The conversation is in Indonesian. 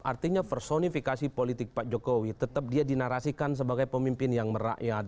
artinya personifikasi politik pak jokowi tetap dia dinarasikan sebagai pemimpin yang merakyat